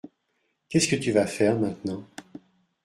Qu’est-ce que tu vas faire, maintenant ?